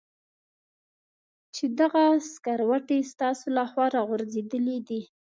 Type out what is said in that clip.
چې دغه سکروټې ستاسې له خوا را غورځېدلې دي.